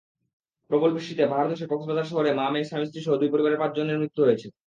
প্রবল বৃষ্টিতে পাহাড়ধসে কক্সবাজার শহরে মা-মেয়ে, স্বামী-স্ত্রীসহ দুই পরিবারের পাঁচজনের মৃত্যু হয়েছে।